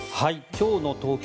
今日の東京